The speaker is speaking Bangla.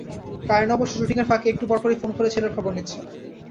কারিনা অবশ্য শুটিংয়ের ফাঁকে একটু পরপরই ফোন করে ছেলের খবর নিচ্ছেন।